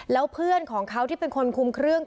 แล้วเพื่อนของเขาที่เป็นคนคุมเครื่อง